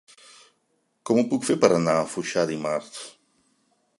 Com ho puc fer per anar a Foixà dimarts?